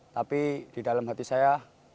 tapi di dalam hati saya